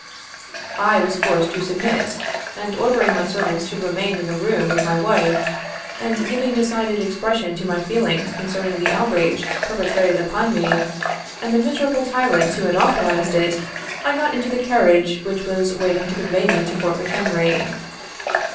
I was forced to submit, and ordering my servants to remain in the room with my wife, and giving decided expression to my feelings concern ing the outrage perpetrated upon me, and the miserable tyrants who had authorized it, I got into the carriage which was waiting to convey me to Fort McHenry.